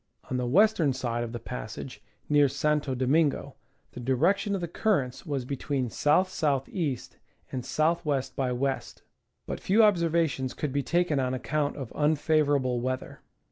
On the western side of the passage, near Santo Domingo, the direction of the currents was between S. S. E, and S. W. by W. But few observations could be taken on account of unfavorable weather.